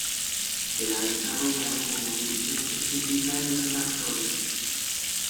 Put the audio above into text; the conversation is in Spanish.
Se ha desarrollado como dirigente sindical de los actores.